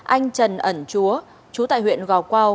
anh trần ẩn chúa trú tại huyện gò quao